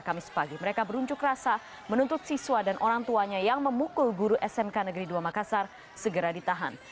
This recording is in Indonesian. kamis pagi mereka berunjuk rasa menuntut siswa dan orang tuanya yang memukul guru smk negeri dua makassar segera ditahan